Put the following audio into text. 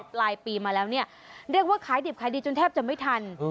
ปลายปีมาแล้วเนี่ยเรียกว่าขายดิบขายดีจนแทบจะไม่ทัน